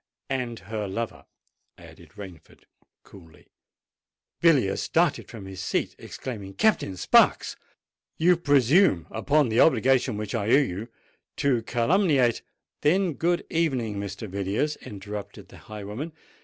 "And her lover," added Rainford coolly. Villiers started from his seat, exclaiming, "Captain Sparks! you presume upon the obligation which I owe you, to calumniate——" "Then good evening, Mr. Villiers," interrupted the highwayman.